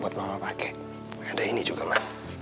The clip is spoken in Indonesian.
buat mama pake ada ini juga ma